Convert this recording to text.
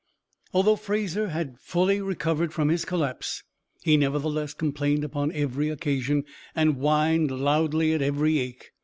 Although Fraser had fully recovered from his collapse, he nevertheless complained upon every occasion, and whined loudly at every ache.